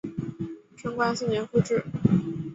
贞观四年复置。